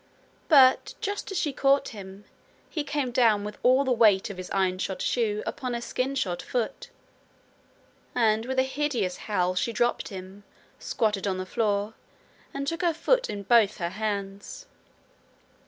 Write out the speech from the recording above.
But just as she caught him, he came down with all the weight of his iron shod shoe upon her skin shod foot, and with a hideous howl she dropped him, squatted on the floor, and took her foot in both her hands.